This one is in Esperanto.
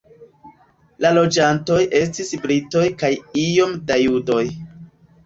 La loĝantoj estis britoj kaj iom da judoj.